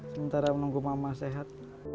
sementara menunggu mama sehat